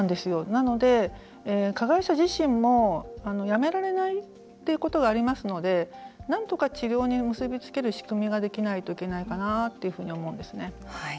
なので、加害者自身もやめられないということがありますのでなんとか、治療に結び付ける仕組みができないといけないかなというふうに思うんですね。